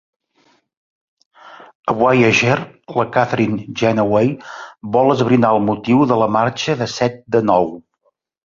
A "Voyager", la Kathryn Janeway vol esbrinar el motiu de la marxa de Set de Nou.